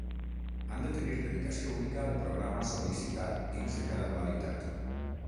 Han de tenir dedicació única al programa sol·licitat dins de cada modalitat.